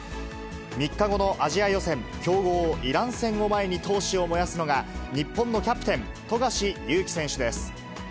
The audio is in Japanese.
３日後のアジア予選、強豪イラン戦を前に闘志を燃やすのが、日本のキャプテン、富樫勇樹選手です。